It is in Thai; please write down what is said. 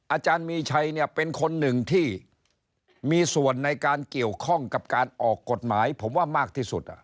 อาจารย์มีชัยเนี่ยเป็นคนหนึ่งที่มีส่วนในการเกี่ยวข้องกับการออกกฎหมายผมว่ามากที่สุด